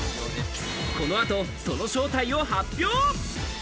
この後、その正体を発表。